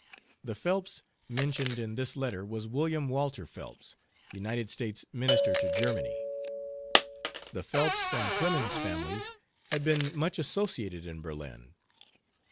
The "Phelps" mentioned in this letter was William Walter Phelps, United States Minister to Germany. The Phelps and Clemens families had been much associated in Berlin.